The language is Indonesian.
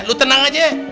lu tenang aja